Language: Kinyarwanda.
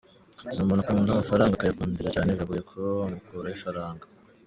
Ni umuntu ukunda amafaranga, akayagundira cyane biragoye kuba wamukuraho ifaranga.